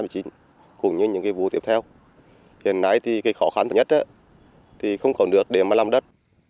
cũng như những vụ tiếp theo hiện nay khó khăn nhất là không còn được để làm đất